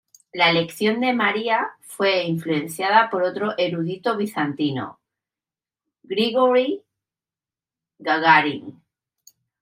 La elección de María fue influenciada por otro erudito bizantino, Grigory Gagarin.